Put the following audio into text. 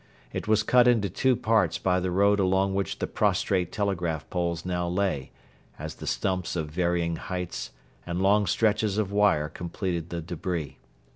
It was cut into two parts by the road along which the prostrate telegraph poles now lay, as the stumps of varying heights and long stretches of wire completed the debris.